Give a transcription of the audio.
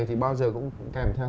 thì bao giờ cũng kèm theo